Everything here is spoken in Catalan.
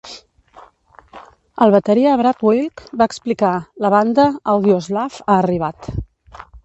El bateria Brad Wilk va explicar: "La banda Audioslave ha arribat.